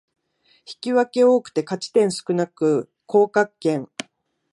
引き分け多くて勝ち点少なく降格圏